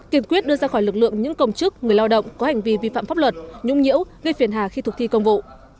kiên quyết đưa ra khỏi lực lượng những công chức người lao động có hành vi vi phạm pháp luật nhũng nhiễu gây phiền hà khi thực thi công vụ